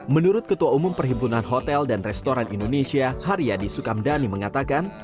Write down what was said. menurut ketua umum perhimpunan hotel dan restoran indonesia haryadi sukamdhani mengatakan